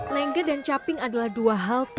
lengger dan caping adalah dua perusahaan yang berbeda